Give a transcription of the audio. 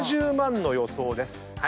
７０万の予想です。